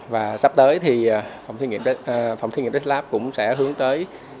và sắp tới thì phòng thí nghiệm slab cũng sẽ hướng tới